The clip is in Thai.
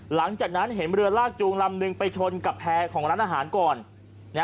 หลังจากนั้นเห็นเรือลากจูงลำนึงไปชนกับแพร่ของร้านอาหารก่อน